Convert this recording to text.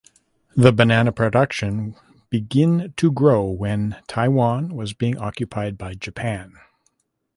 The banana production begin to grow when Taiwan was being occupied by Japan.